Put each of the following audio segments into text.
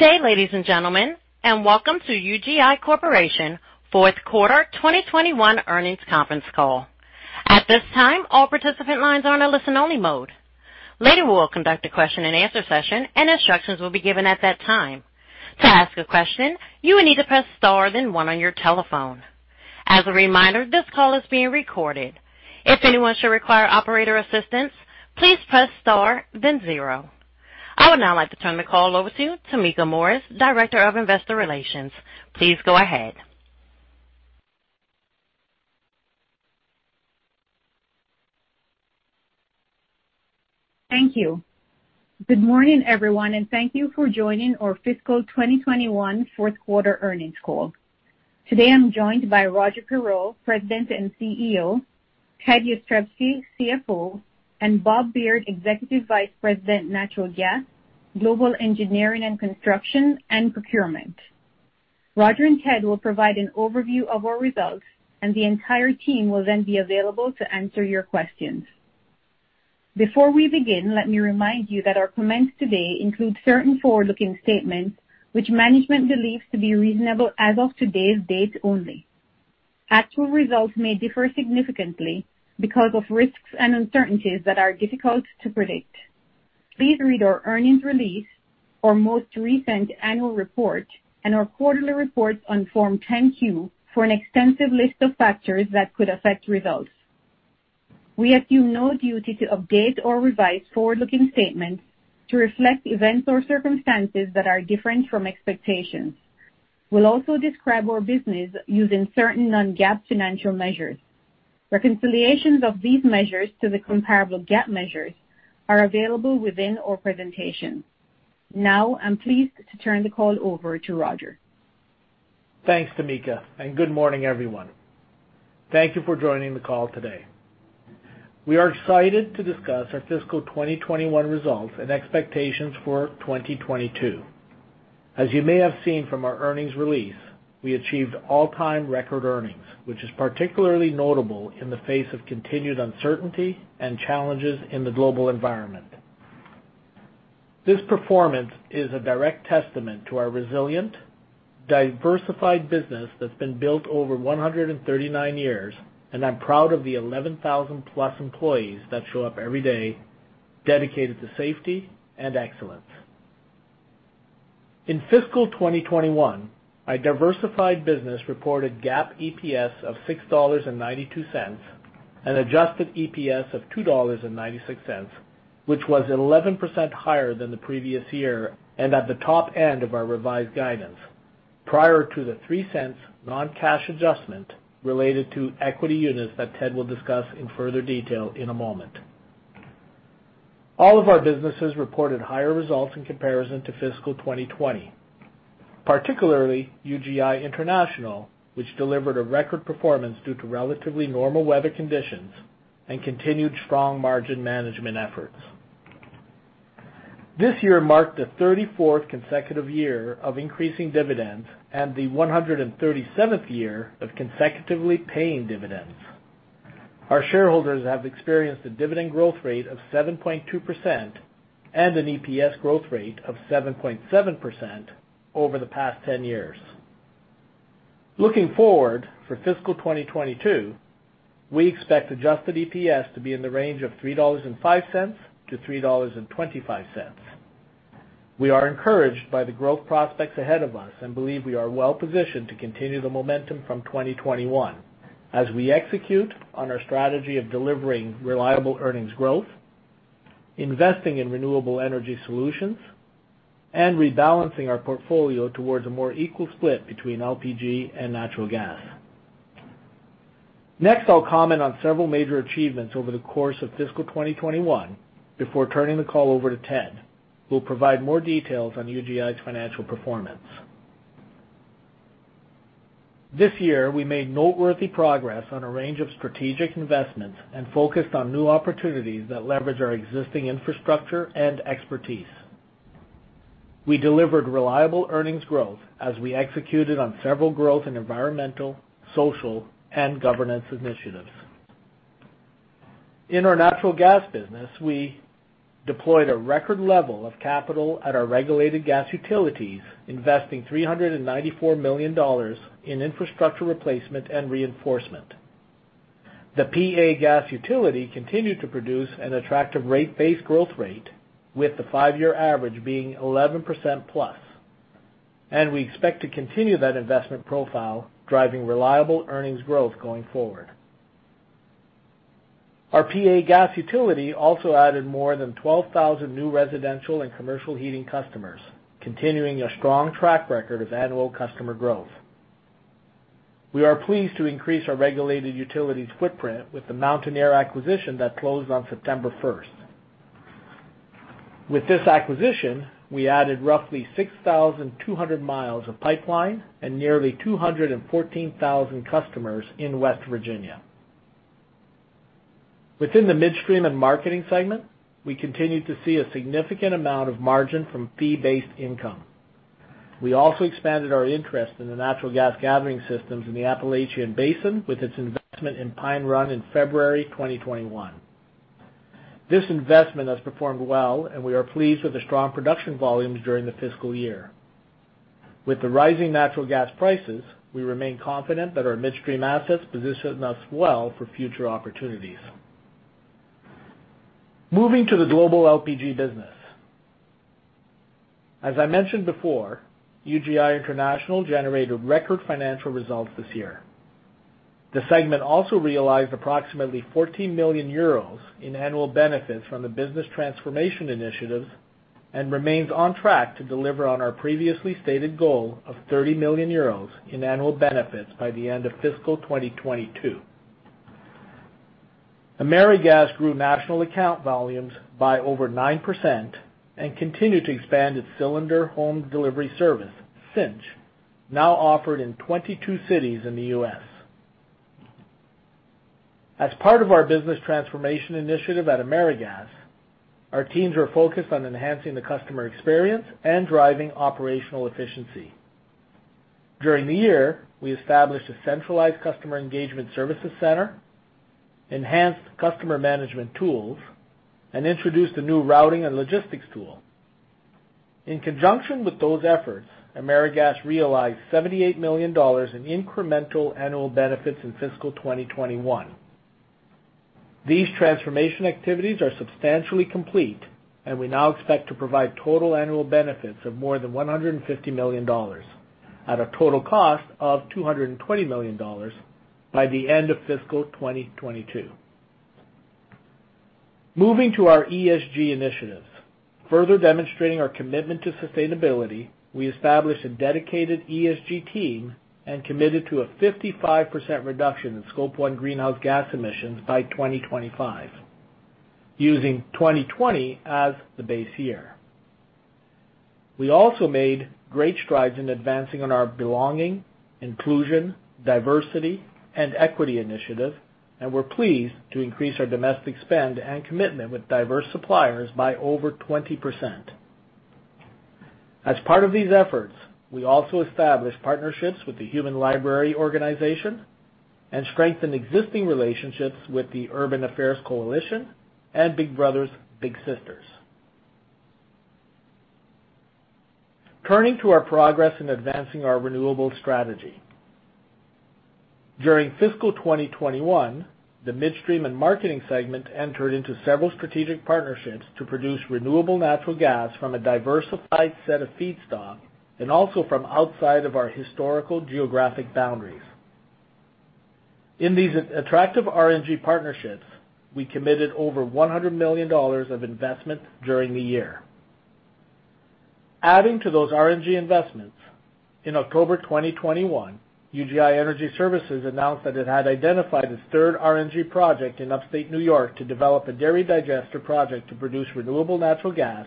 Good day, ladies and gentlemen, and welcome to UGI Corporation fourth quarter 2021 earnings conference call. At this time, all participant lines are in a listen-only mode. Later, we'll conduct a question-and-answer session, and instructions will be given at that time. To ask a question, you will need to press star, then one on your telephone. As a reminder, this call is being recorded. If anyone should require operator assistance, please press star, then zero. I would now like to turn the call over to Tameka Morris, Director of Investor Relations. Please go ahead. Thank you. Good morning, everyone, and thank you for joining our fiscal year 2021 fourth quarter earnings call. Today I'm joined by Roger Perreault, President and CEO, Ted Jastrzebski, CFO, and Bob Beard, Executive Vice President, Natural Gas, Global Engineering and Construction and Procurement. Roger and Ted will provide an overview of our results, and the entire team will then be available to answer your questions. Before we begin, let me remind you that our comments today include certain forward-looking statements which management believes to be reasonable as of today's date only. Actual results may differ significantly because of risks and uncertainties that are difficult to predict. Please read our earnings release, our most recent annual report, and our quarterly reports on Form 10-Q for an extensive list of factors that could affect results. We assume no duty to update or revise forward-looking statements to reflect events or circumstances that are different from expectations. We'll also describe our business using certain non-GAAP financial measures. Reconciliations of these measures to the comparable GAAP measures are available within our presentation. Now, I'm pleased to turn the call over to Roger. Thanks, Tameka, and good morning, everyone. Thank you for joining the call today. We are excited to discuss our fiscal year 2021 results and expectations for 2022. As you may have seen from our earnings release, we achieved all-time record earnings, which is particularly notable in the face of continued uncertainty and challenges in the global environment. This performance is a direct testament to our resilient, diversified business that's been built over 139 years, and I'm proud of the 11,000+ employees that show up every day dedicated to safety and excellence. In fiscal year 2021, our diversified business reported GAAP EPS of $6.92 and adjusted EPS of $2.96, which was 11% higher than the previous year and at the top end of our revised guidance prior to the $0.03 non-cash adjustment related to equity units that Ted will discuss in further detail in a moment. All of our businesses reported higher results in comparison to fiscal year 2020, particularly UGI International, which delivered a record performance due to relatively normal weather conditions and continued strong margin management efforts. This year marked the 34th consecutive year of increasing dividends and the 137th year of consecutively paying dividends. Our shareholders have experienced a dividend growth rate of 7.2% and an EPS growth rate of 7.7% over the past 10 years. Looking forward to fiscal year 2022, we expect adjusted EPS to be in the range of $3.05-$3.25. We are encouraged by the growth prospects ahead of us and believe we are well-positioned to continue the momentum from 2021 as we execute on our strategy of delivering reliable earnings growth, investing in renewable energy solutions, and rebalancing our portfolio towards a more equal split between LPG and natural gas. Next, I'll comment on several major achievements over the course of fiscal year 2021 before turning the call over to Ted, who will provide more details on UGI's financial performance. This year, we made noteworthy progress on a range of strategic investments and focused on new opportunities that leverage our existing infrastructure and expertise. We delivered reliable earnings growth as we executed on several growth and environmental, social, and governance initiatives. In our natural gas business, we deployed a record level of capital at our regulated gas utilities, investing $394 million in infrastructure replacement and reinforcement. The PA Gas Utility continued to produce an attractive rate-based growth rate, with the five-year average being 11%+, and we expect to continue that investment profile, driving reliable earnings growth going forward. Our PA Gas Utility also added more than 12,000 new residential and commercial heating customers, continuing a strong track record of annual customer growth. We are pleased to increase our regulated utilities footprint with the Mountaineer acquisition that closed on September 1. With this acquisition, we added roughly 6,200 miles of pipeline and nearly 214,000 customers in West Virginia. Within the Midstream and Marketing segment, we continued to see a significant amount of margin from fee-based income. We also expanded our interest in the natural gas gathering systems in the Appalachian Basin with its investment in Pine Run in February 2021. This investment has performed well, and we are pleased with the strong production volumes during the fiscal year. With the rising natural gas prices, we remain confident that our midstream assets position us well for future opportunities. Moving to the global LPG business. As I mentioned before, UGI International generated record financial results this year. The segment also realized approximately 14 million euros in annual benefits from the business transformation initiatives and remains on track to deliver on our previously stated goal of 30 million euros in annual benefits by the end of fiscal year 2022. AmeriGas grew national account volumes by over 9% and continued to expand its cylinder home delivery service, Cynch, now offered in 22 cities in the U.S. As part of our business transformation initiative at AmeriGas, our teams are focused on enhancing the customer experience and driving operational efficiency. During the year, we established a centralized customer engagement services center, enhanced customer management tools, and introduced a new routing and logistics tool. In conjunction with those efforts, AmeriGas realized $78 million in incremental annual benefits in fiscal year 2021. These transformation activities are substantially complete, and we now expect to provide total annual benefits of more than $150 million at a total cost of $220 million by the end of fiscal year 2022. Moving to our ESG initiatives. Further demonstrating our commitment to sustainability, we established a dedicated ESG team and committed to a 55% reduction in Scope 1 greenhouse gas emissions by 2025, using 2020 as the base year. We also made great strides in advancing on our belonging, inclusion, diversity, and equity initiative, and we're pleased to increase our domestic spend and commitment with diverse suppliers by over 20%. As part of these efforts, we also established partnerships with The Human Library Organization and strengthened existing relationships with the Urban Affairs Coalition and Big Brothers Big Sisters. Turning to our progress in advancing our renewable strategy. During fiscal year 2021, the Midstream & Marketing segment entered into several strategic partnerships to produce renewable natural gas from a diversified set of feedstock and also from outside of our historical geographic boundaries. In these attractive RNG partnerships, we committed over $100 million of investments during the year. Adding to those RNG investments, in October 2021, UGI Energy Services announced that it had identified its third RNG project in upstate New York to develop a dairy digester project to produce renewable natural gas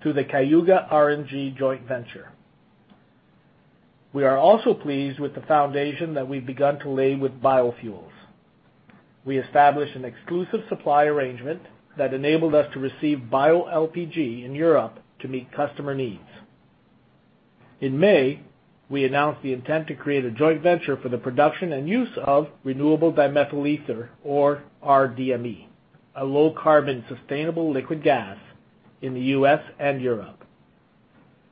through the Cayuga RNG joint venture. We are also pleased with the foundation that we've begun to lay with biofuels. We established an exclusive supply arrangement that enabled us to receive bioLPG in Europe to meet customer needs. In May, we announced the intent to create a joint venture for the production and use of renewable dimethyl ether, or rDME, a low-carbon, sustainable liquid gas in the U.S. and Europe.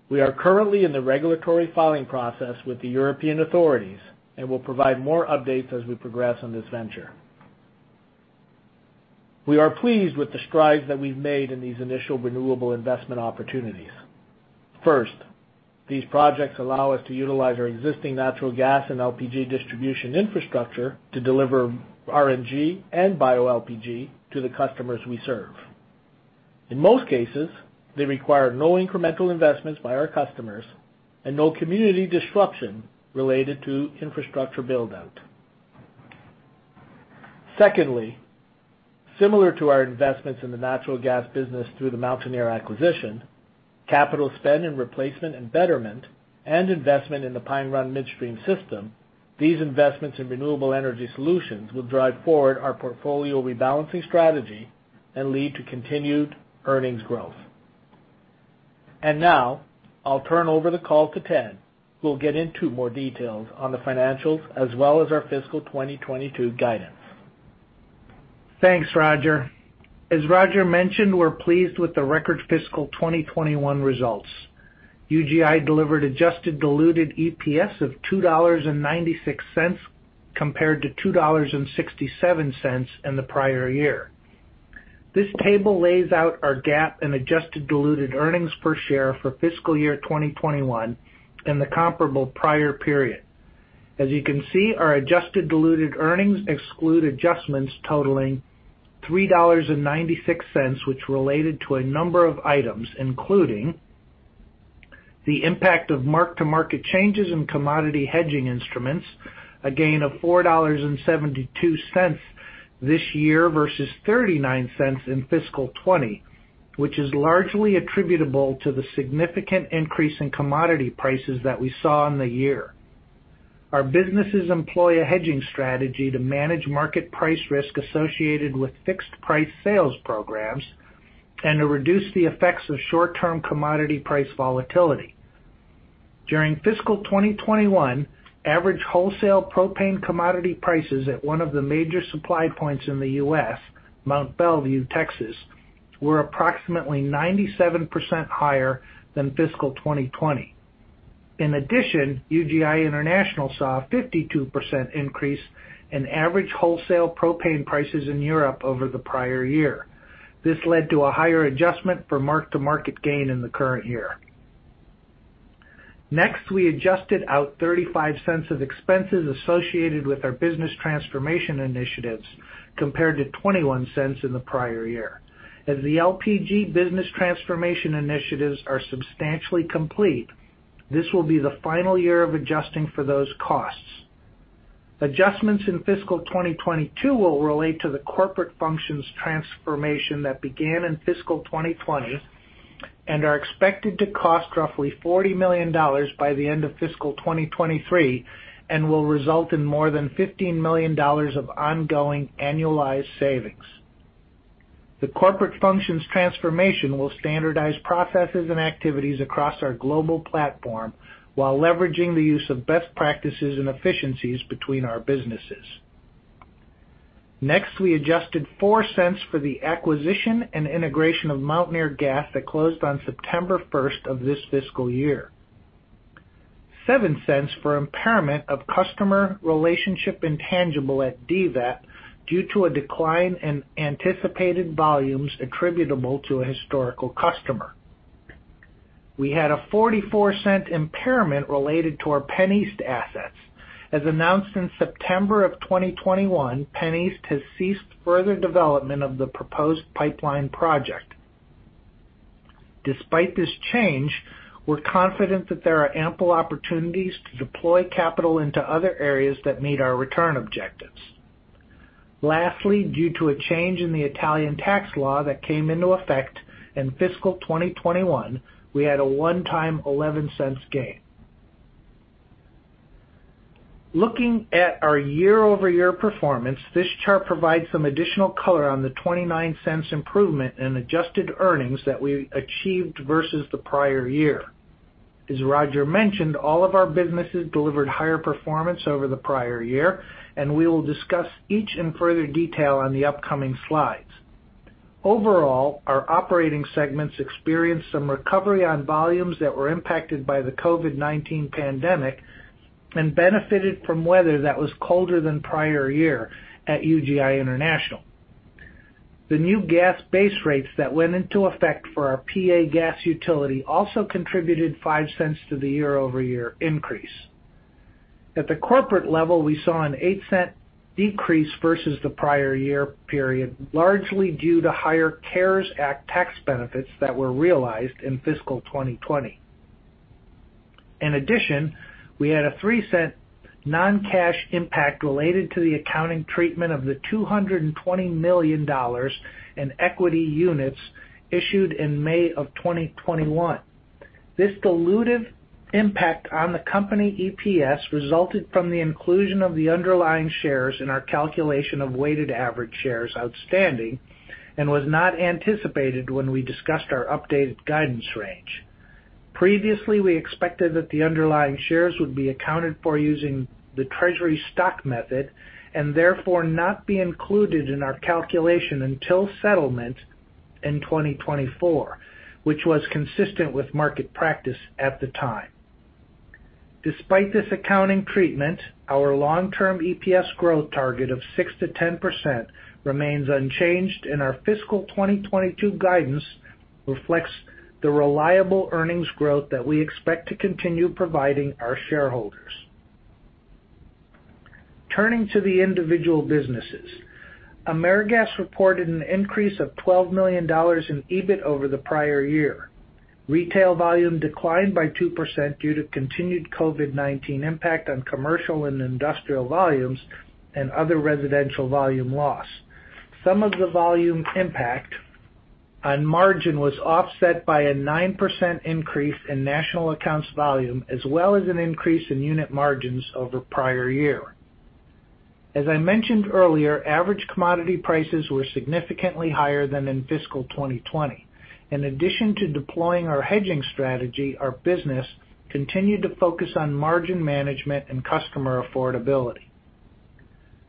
We are currently in the regulatory filing process with the European authorities and will provide more updates as we progress on this venture. We are pleased with the strides that we've made in these initial renewable investment opportunities. First, these projects allow us to utilize our existing natural gas and LPG distribution infrastructure to deliver RNG and bioLPG to the customers we serve. In most cases, they require no incremental investments by our customers and no community disruption related to infrastructure build-out. Secondly, similar to our investments in the natural gas business through the Mountaineer acquisition, capital spend in replacement and betterment, and investment in the Pine Run Midstream system, these investments in renewable energy solutions will drive forward our portfolio rebalancing strategy and lead to continued earnings growth. Now I'll turn over the call to Ted, who will get into more details on the financials as well as our fiscal year 2022 guidance. Thanks, Roger. As Roger mentioned, we're pleased with the record fiscal year 2021 results. UGI delivered adjusted diluted EPS of $2.96, compared to $2.67 in the prior year. This table lays out our GAAP and adjusted diluted earnings per share for fiscal year 2021 and the comparable prior period. As you can see, our adjusted diluted earnings exclude adjustments totaling $3.96, which related to a number of items, including the impact of mark-to-market changes in commodity hedging instruments, a gain of $4.72 this year versus $0.39 in fiscal year 2020, which is largely attributable to the significant increase in commodity prices that we saw in the year. Our businesses employ a hedging strategy to manage market price risk associated with fixed-price sales programs and to reduce the effects of short-term commodity price volatility. During fiscal year 2021, average wholesale propane commodity prices at one of the major supply points in the U.S., Mont Belvieu, Texas, were approximately 97% higher than fiscal year 2020. In addition, UGI International saw a 52% increase in average wholesale propane prices in Europe over the prior year. This led to a higher adjustment for mark-to-market gain in the current year. Next, we adjusted out $0.35 of expenses associated with our business transformation initiatives, compared to $0.21 in the prior year. As the LPG business transformation initiatives are substantially complete, this will be the final year of adjusting for those costs. Adjustments in fiscal year 2022 will relate to the corporate functions transformation that began in fiscal year 2020 and are expected to cost roughly $40 million by the end of fiscal year 2023 and will result in more than $15 million of ongoing annualized savings. The corporate functions transformation will standardize processes and activities across our global platform while leveraging the use of best practices and efficiencies between our businesses. Next, we adjusted $0.04 for the acquisition and integration of Mountaineer Gas that closed on September 1 of this fiscal year. We adjusted $0.07 for impairment of customer relationship intangible at DVEP due to a decline in anticipated volumes attributable to a historical customer. We had a $0.44 impairment related to our PennEast assets. As announced in September 2021, PennEast has ceased further development of the proposed pipeline project. Despite this change, we're confident that there are ample opportunities to deploy capital into other areas that meet our return objectives. Lastly, due to a change in the Italian tax law that came into effect in fiscal year 2021, we had a one-time $0.11 gain. Looking at our year-over-year performance, this chart provides some additional color on the $0.29 improvement in adjusted earnings that we achieved versus the prior year. As Roger mentioned, all of our businesses delivered higher performance over the prior year, and we will discuss each in further detail on the upcoming slides. Overall, our operating segments experienced some recovery on volumes that were impacted by the COVID-19 pandemic and benefited from weather that was colder than prior year at UGI International. The new gas base rates that went into effect for our PA Gas Utility also contributed $0.05 to the year-over-year increase. At the corporate level, we saw a $0.08 decrease versus the prior year period, largely due to higher CARES Act tax benefits that were realized in fiscal year 2020. In addition, we had a $0.03 non-cash impact related to the accounting treatment of the $220 million in equity units issued in May 2021. This dilutive impact on the company EPS resulted from the inclusion of the underlying shares in our calculation of weighted average shares outstanding and was not anticipated when we discussed our updated guidance range. Previously, we expected that the underlying shares would be accounted for using the treasury stock method and therefore not be included in our calculation until settlement in 2024, which was consistent with market practice at the time. Despite this accounting treatment, our long-term EPS growth target of 6%-10% remains unchanged, and our fiscal year 2022 guidance reflects the reliable earnings growth that we expect to continue providing our shareholders. Turning to the individual businesses, AmeriGas reported an increase of $12 million in EBIT over the prior year. Retail volume declined by 2% due to continued COVID-19 impact on commercial and industrial volumes and other residential volume loss. Some of the volume impact on margin was offset by a 9% increase in National Accounts volume as well as an increase in unit margins over prior year. As I mentioned earlier, average commodity prices were significantly higher than in fiscal year 2020. In addition to deploying our hedging strategy, our business continued to focus on margin management and customer affordability.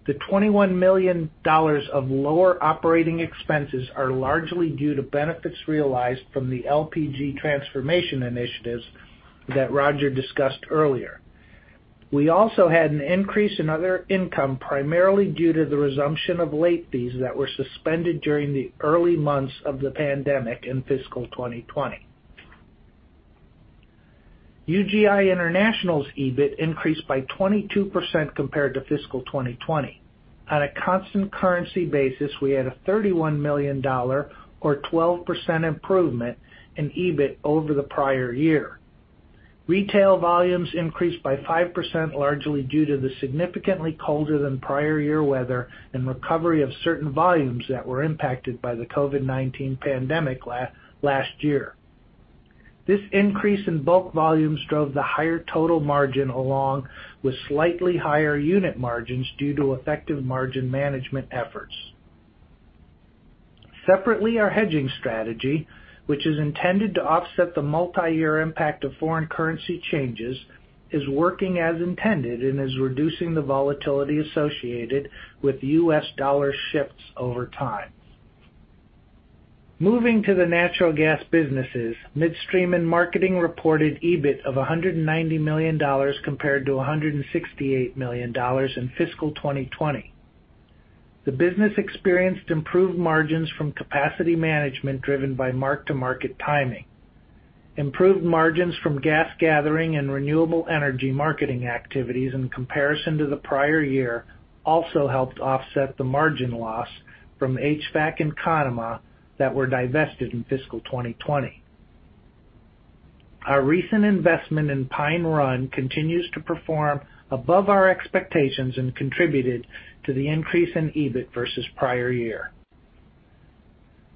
The $21 million of lower operating expenses are largely due to benefits realized from the LPG transformation initiatives that Roger discussed earlier. We also had an increase in other income primarily due to the resumption of late fees that were suspended during the early months of the pandemic in fiscal year 2020. UGI International's EBIT increased by 22% compared to fiscal year 2020. On a constant currency basis, we had a $31 million or 12% improvement in EBIT over the prior year. Retail volumes increased by 5%, largely due to the significantly colder than prior year weather and recovery of certain volumes that were impacted by the COVID-19 pandemic last year. This increase in bulk volumes drove the higher total margin, along with slightly higher unit margins due to effective margin management efforts. Separately, our hedging strategy, which is intended to offset the multi-year impact of foreign currency changes, is working as intended and is reducing the volatility associated with U.S. dollar shifts over time. Moving to the natural gas businesses, Midstream & Marketing reported EBIT of $190 million compared to $168 million in fiscal year 2020. The business experienced improved margins from capacity management, driven by mark-to-market timing. Improved margins from gas gathering and renewable energy marketing activities in comparison to the prior year also helped offset the margin loss from HVAC and Conemaugh that were divested in fiscal year 2020. Our recent investment in Pine Run continues to perform above our expectations and contributed to the increase in EBIT versus prior year.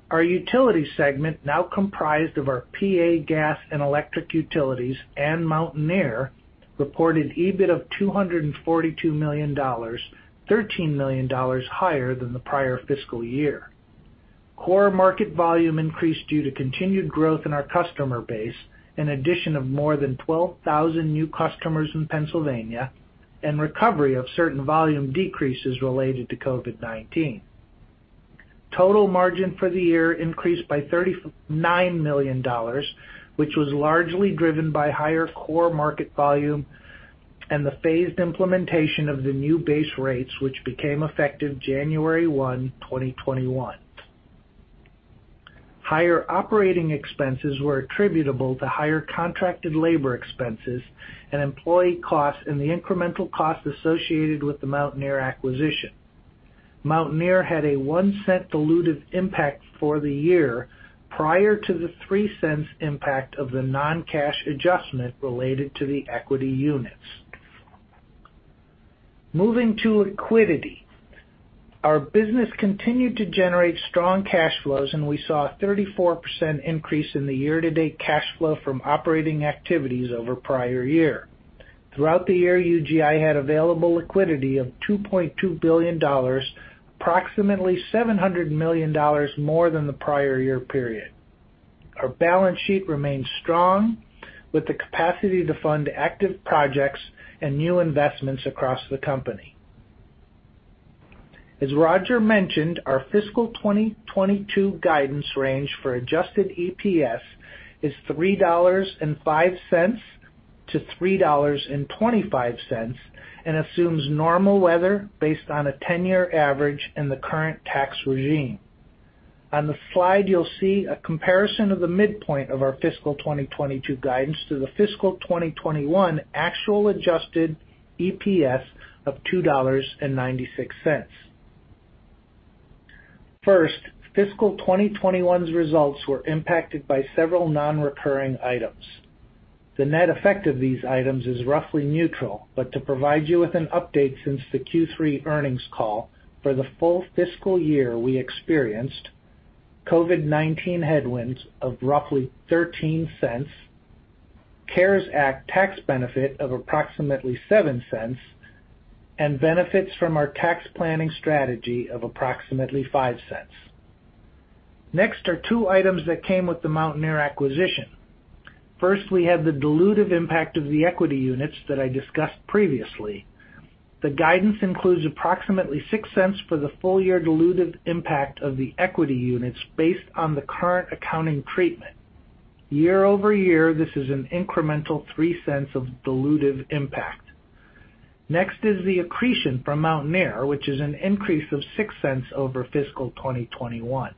Our utility segment, now comprised of our PA Gas and electric utilities and Mountaineer, reported EBIT of $242 million, $13 million higher than the prior fiscal year. Core market volume increased due to continued growth in our customer base, an addition of more than 12,000 new customers in Pennsylvania, and recovery of certain volume decreases related to COVID-19. Total margin for the year increased by $39 million, which was largely driven by higher core market volume and the phased implementation of the new base rates, which became effective January 1, 2021. Higher operating expenses were attributable to higher contracted labor expenses and employee costs, and the incremental cost associated with the Mountaineer acquisition. Mountaineer had a $0.01 dilutive impact for the year prior to the $0.03 impact of the non-cash adjustment related to the equity units. Moving to liquidity. Our business continued to generate strong cash flows, and we saw a 34% increase in the year-to-date cash flow from operating activities over prior year. Throughout the year, UGI had available liquidity of $2.2 billion, approximately $700 million more than the prior year period. Our balance sheet remains strong, with the capacity to fund active projects and new investments across the company. As Roger mentioned, our fiscal year 2022 guidance range for adjusted EPS is $3.05-$3.25 and assumes normal weather based on a 10-year average and the current tax regime. On the slide, you'll see a comparison of the midpoint of our fiscal year 2022 guidance to the fiscal year 2021 actual adjusted EPS of $2.96. First, fiscal year 2021's results were impacted by several non-recurring items. The net effect of these items is roughly neutral, but to provide you with an update since the Q3 earnings call, for the full fiscal year, we experienced COVID-19 headwinds of roughly $0.13, CARES Act tax benefit of approximately $0.07, and benefits from our tax planning strategy of approximately $0.05. Next are two items that came with the Mountaineer acquisition. First, we have the dilutive impact of the equity units that I discussed previously. The guidance includes approximately $0.06 for the full-year dilutive impact of the equity units based on the current accounting treatment. Year-over-year, this is an incremental $0.03 of dilutive impact. Next is the accretion from Mountaineer, which is an increase of $0.06 over fiscal year 2021.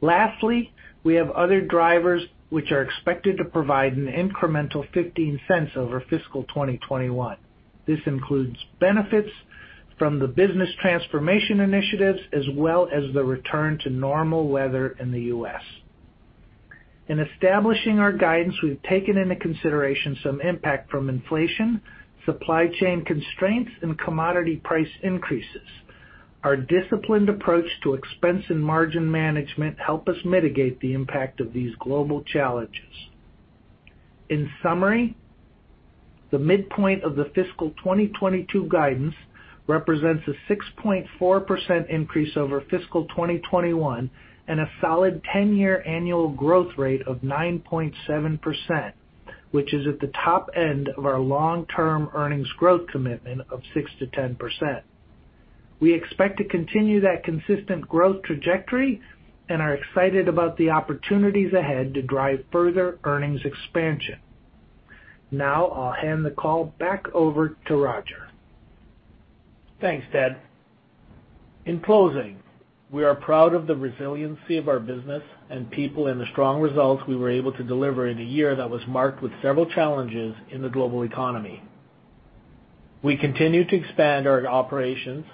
Lastly, we have other drivers which are expected to provide an incremental $0.15 over fiscal year 2021. This includes benefits from the business transformation initiatives as well as the return to normal weather in the U.S. In establishing our guidance, we've taken into consideration some impact from inflation, supply chain constraints, and commodity price increases. Our disciplined approach to expense and margin management help us mitigate the impact of these global challenges. In summary, the midpoint of the fiscal year 2022 guidance represents a 6.4% increase over fiscal year 2021 and a solid 10-year annual growth rate of 9.7%, which is at the top end of our long-term earnings growth commitment of 6%-10%. We expect to continue that consistent growth trajectory and are excited about the opportunities ahead to drive further earnings expansion. Now, I'll hand the call back over to Roger. Thanks, Ted. In closing, we are proud of the resiliency of our business and people and the strong results we were able to deliver in a year that was marked with several challenges in the global economy. We continue to expand our operations,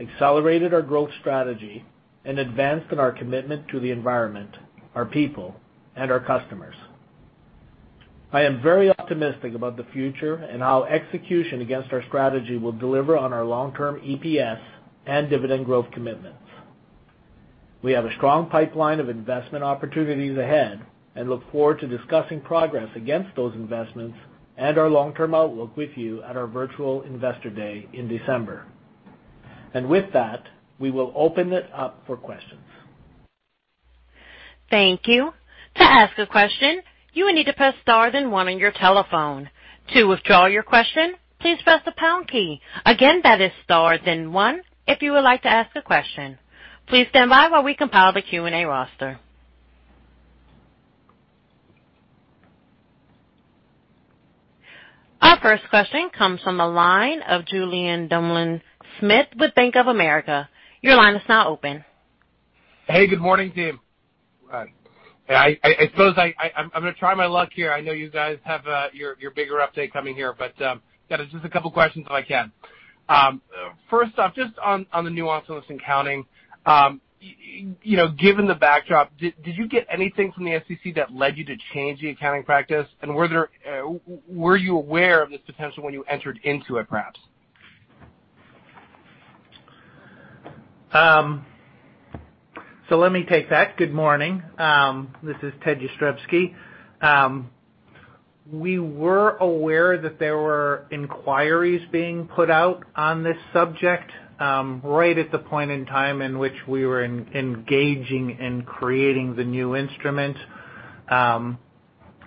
accelerated our growth strategy, and advanced in our commitment to the environment, our people, and our customers. I am very optimistic about the future and how execution against our strategy will deliver on our long-term EPS and dividend growth commitments. We have a strong pipeline of investment opportunities ahead and look forward to discussing progress against those investments and our long-term outlook with you at our virtual Investor Day in December. With that, we will open it up for questions. Thank you. To ask a question, you will need to press star then one on your telephone. To withdraw your question, please press the pound key. Again, that is star then one if you would like to ask a question. Please stand by while we compile the Q&A roster. Our first question comes from the line of Julien Dumoulin-Smith with Bank of America. Your line is now open. Hey, good morning, team. Hi. I suppose I'm gonna try my luck here. I know you guys have your bigger update coming here, but yeah, just a couple of questions if I can. First off, just on the nuance on this accounting, you know, given the backdrop, did you get anything from the SEC that led you to change the accounting practice? Were you aware of this potential when you entered into it, perhaps? Let me take that. Good morning. This is Ted Jastrzebski. We were aware that there were inquiries being put out on this subject, right at the point in time in which we were engaging in creating the new instrument.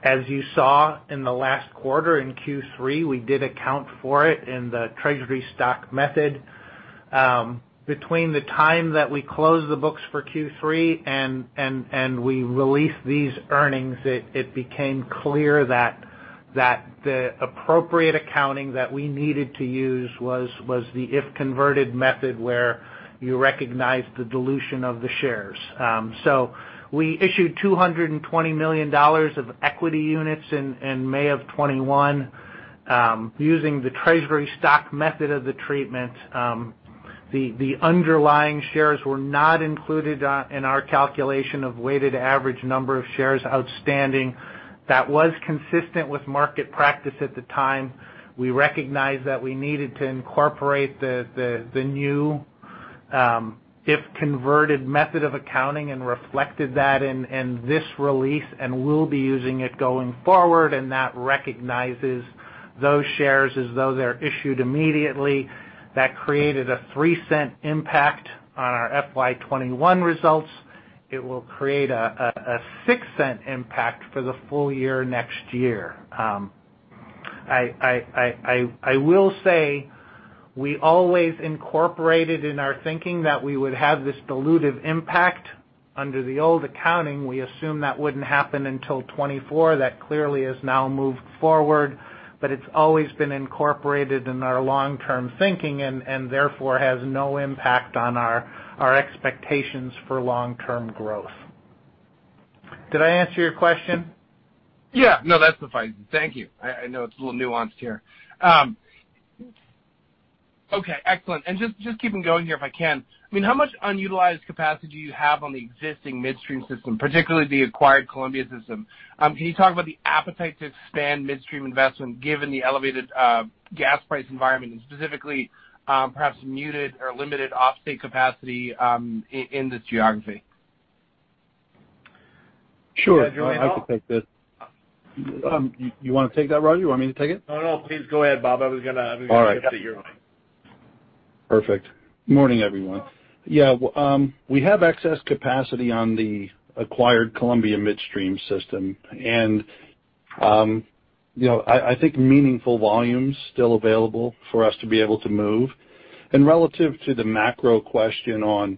As you saw in the last quarter, in Q3, we did account for it in the treasury stock method. Between the time that we closed the books for Q3 and we released these earnings, it became clear that the appropriate accounting that we needed to use was the if-converted method where you recognize the dilution of the shares. We issued $220 million of equity units in May of 2021, using the treasury stock method of the treatment. The underlying shares were not included in our calculation of weighted average number of shares outstanding. That was consistent with market practice at the time. We recognized that we needed to incorporate the new if-converted method of accounting and reflected that in this release, and we'll be using it going forward, and that recognizes those shares as though they're issued immediately. That created a $0.03 impact on our FY 2021 results. It will create a $0.06 impact for the full-year next year. I will say we always incorporated in our thinking that we would have this dilutive impact. Under the old accounting, we assumed that wouldn't happen until 2024. That clearly has now moved forward, but it's always been incorporated in our long-term thinking and therefore has no impact on our expectations for long-term growth. Did I answer your question? Yeah. No, that's fine. Thank you. I know it's a little nuanced here. Okay, excellent. Just keeping going here, if I can. I mean, how much unutilized capacity do you have on the existing midstream system, particularly the acquired Columbia system? Can you talk about the appetite to expand midstream investment given the elevated gas price environment and specifically, perhaps muted or limited out-of-state capacity, in this geography? Sure. Is that you, Bob? I'll take this. You wanna take that, Roger? You want me to take it? No, no, please go ahead, Bob. I was gonna- All right. I was gonna defer to you. Perfect. Morning, everyone. Yeah. We have excess capacity on the acquired Columbia Midstream system. You know, I think meaningful volumes still available for us to be able to move. Relative to the macro question on,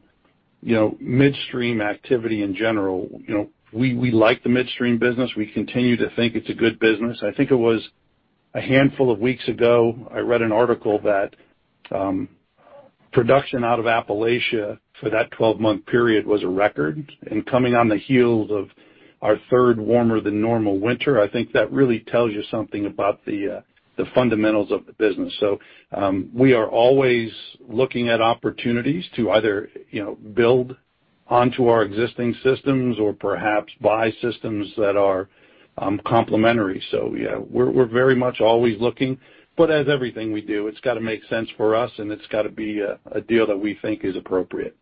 you know, midstream activity in general, you know, we like the midstream business. We continue to think it's a good business. I think it was a handful of weeks ago, I read an article that production out of Appalachia for that 12-month period was a record. Coming on the heels of our third warmer than normal winter, I think that really tells you something about the fundamentals of the business. We are always looking at opportunities to either, you know, build onto our existing systems or perhaps buy systems that are complementary. Yeah, we're very much always looking. As everything we do, it's gotta make sense for us and it's gotta be a deal that we think is appropriate.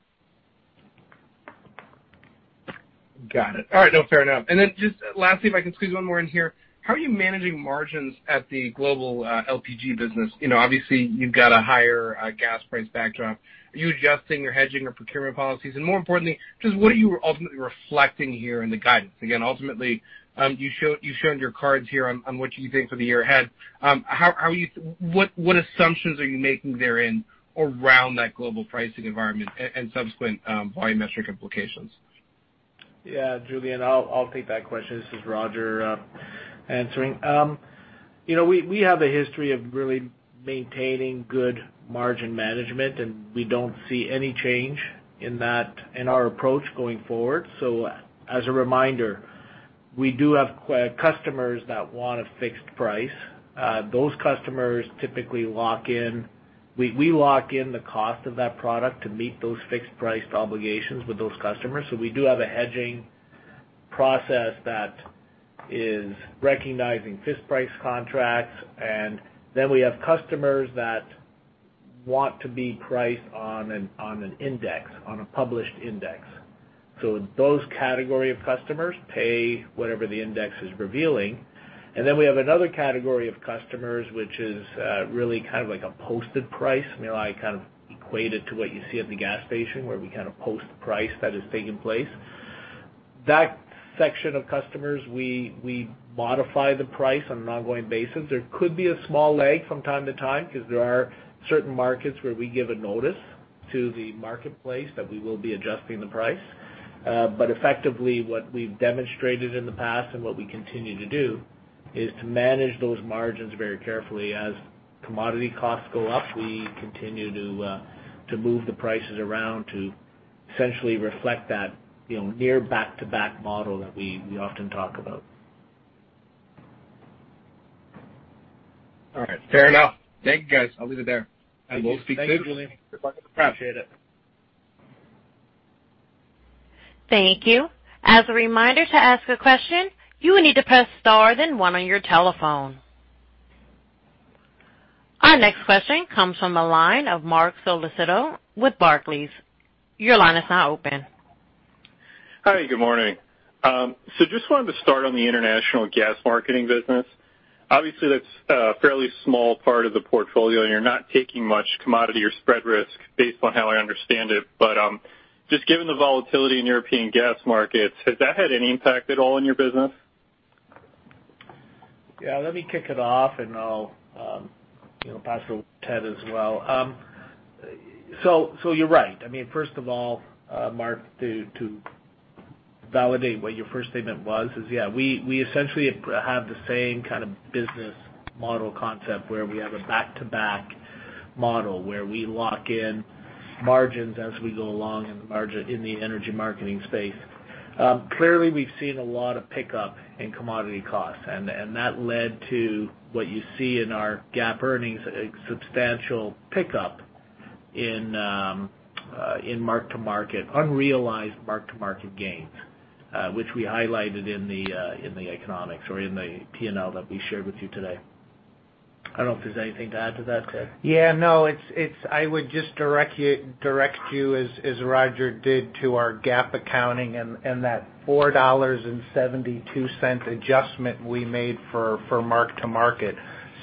Got it. All right. No, fair enough. Just lastly, if I can squeeze one more in here. How are you managing margins at the global LPG business? You know, obviously you've got a higher gas price backdrop. Are you adjusting your hedging or procurement policies? More importantly, just what are you ultimately reflecting here in the guidance? Again, ultimately, you've shown your cards here on what you think for the year ahead. What assumptions are you making therein around that global pricing environment and subsequent volumetric implications? Yeah, Julien, I'll take that question. This is Roger answering. You know, we have a history of really maintaining good margin management, and we don't see any change in that in our approach going forward. As a reminder, we do have customers that want a fixed price. Those customers typically lock in. We lock in the cost of that product to meet those fixed price obligations with those customers. We do have a hedging process that is recognizing fixed price contracts. Then we have customers that want to be priced on an index, on a published index. Those category of customers pay whatever the index is revealing. Then we have another category of customers, which is really kind of like a posted price. I mean, I kind of equate it to what you see at the gas station, where we kind of post price that is taking place. That section of customers, we modify the price on an ongoing basis. There could be a small lag from time to time because there are certain markets where we give a notice to the marketplace that we will be adjusting the price. But effectively, what we've demonstrated in the past and what we continue to do is to manage those margins very carefully. As commodity costs go up, we continue to move the prices around to essentially reflect that, you know, near back-to-back model that we often talk about. All right, fair enough. Thank you, guys. I'll leave it there. We'll speak soon. Thank you, Julien. Appreciate it. Thank you. As a reminder, to ask a question, you will need to press star, then one on your telephone. Our next question comes from the line of Marc Solecitto with Barclays. Your line is now open. Hi, good morning. Just wanted to start on the international gas marketing business. Obviously, that's a fairly small part of the portfolio, and you're not taking much commodity or spread risk based on how I understand it. Just given the volatility in European gas markets, has that had any impact at all in your business? Yeah, let me kick it off, and I'll, you know, pass it over to Ted as well. You're right. I mean, first of all, Marc, to validate what your first statement was is, yeah, we essentially have the same kind of business model concept where we have a back-to-back model where we lock in margins as we go along in the energy marketing space. Clearly, we've seen a lot of pickup in commodity costs, and that led to what you see in our GAAP earnings, a substantial pickup in unrealized mark-to-market gains, which we highlighted in the economics or in the P&L that we shared with you today. I don't know if there's anything to add to that, Ted. Yeah, no. I would just direct you as Roger did to our GAAP accounting and that $4.72 adjustment we made for mark-to-market.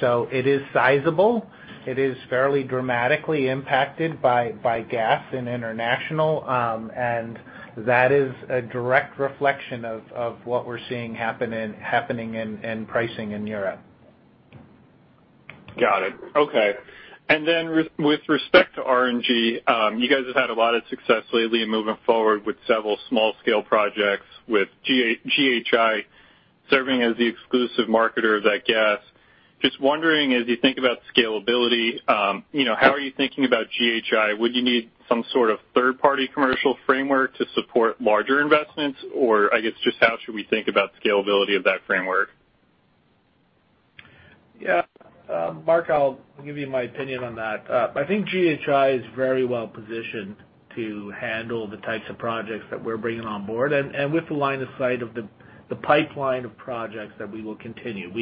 It is sizable. It is fairly dramatically impacted by gas in International. That is a direct reflection of what we're seeing happening in pricing in Europe. Got it. Okay. With respect to RNG, you guys have had a lot of success lately in moving forward with several small scale projects with GHI serving as the exclusive marketer of that gas. Just wondering, as you think about scalability, you know, how are you thinking about GHI? Would you need some sort of third-party commercial framework to support larger investments? Or I guess just how should we think about scalability of that framework? Yeah. Marc, I'll give you my opinion on that. I think GHI is very well-positioned to handle the types of projects that we're bringing on board and with the line of sight of the pipeline of projects that we will continue.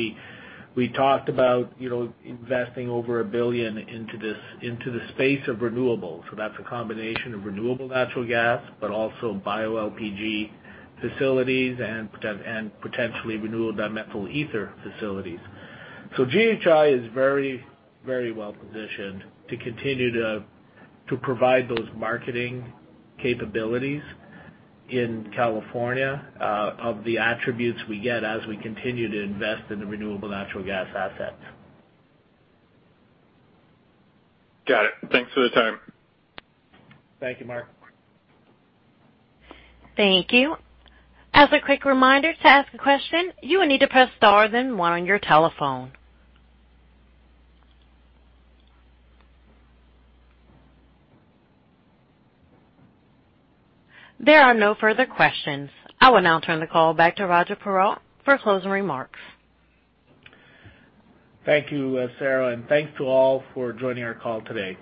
We talked about, you know, investing over $1 billion into the space of renewables. That's a combination of renewable natural gas, but also bioLPG facilities and potentially renewable dimethyl ether facilities. GHI is very well-positioned to continue to provide those marketing capabilities in California of the attributes we get as we continue to invest in the renewable natural gas assets. Got it. Thanks for the time. Thank you, Marc. Thank you. As a quick reminder, to ask a question, you will need to press star then one on your telephone. There are no further questions. I will now turn the call back to Roger Perreault for closing remarks. Thank you, Sarah. Thanks to all for joining our call today.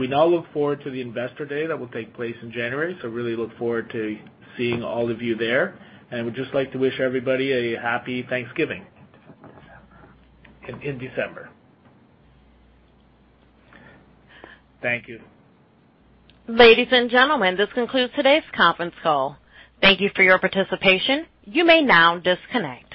We now look forward to the Investor Day that will take place in January. Really look forward to seeing all of you there. We'd just like to wish everybody a happy Thanksgiving in December. Thank you. Ladies and gentlemen, this concludes today's conference call. Thank you for your participation. You may now disconnect.